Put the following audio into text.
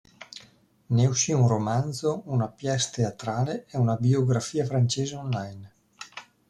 Ne usci un romanzo, una piece teatrale e una biografia francese on-line.